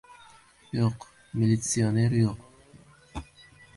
Yo‘q, militsioner yo‘q.